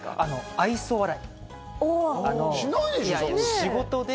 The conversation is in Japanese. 愛想笑い。